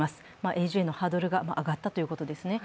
永住へのハードルが上がったということですね。